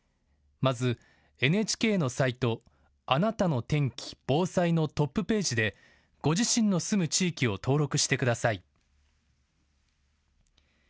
まず、ＮＨＫのサイト、あなたの天気・防災のトップページで、ご自身の住む地域を登録してください。